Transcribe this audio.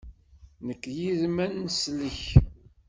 Nekk yid-m ad neslek.